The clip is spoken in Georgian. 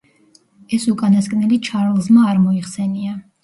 ეს უკანასკნელი ჩარლზმა არ მოიხსენია.